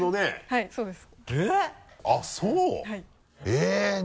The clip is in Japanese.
はいそうです。